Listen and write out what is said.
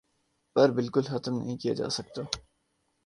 پر بالکل ختم نہیں کیا جاسکتا